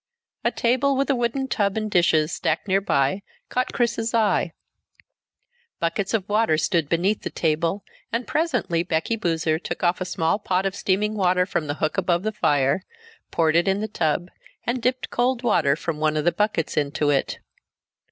A table with a wooden tub and dishes stacked nearby caught Chris's eye. Buckets of water stood beneath the table, and presently Becky Boozer took off a small pot of steaming water from a hook above the fire, poured it in the tub, and dipped cold water from one of the buckets into it.